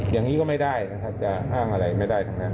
อย่างนี้ก็ไม่ได้นะครับจะอ้างอะไรไม่ได้ทั้งนั้น